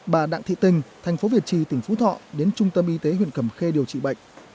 bà đặng thị tình thành phố việt trì tỉnh phú thọ đến trung tâm y tế huyện cầm khê điều trị bệnh